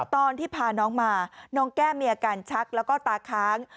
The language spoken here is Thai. ตอนที่พาน้องมาน้องแก้มมีอาการชักแล้วก็ตาค้าง